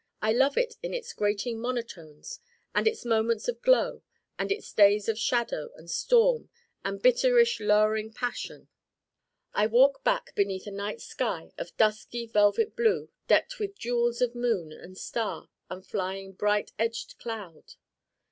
I love it in its grating monotones and its moments of glow and its days of shadow and storm and bitterish lowering passion I walk back beneath a night sky of dusky velvet blue decked with jewels of moon and star and flying bright edged cloud.